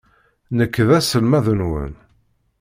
Nekk d aselmad-nwen.